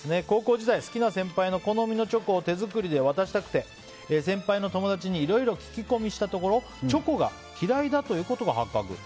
高校時代、好きな先輩の好みのチョコを手作りで渡したくて先輩の友達にいろいろ聞き込みしたところチョコが嫌いだということが発覚。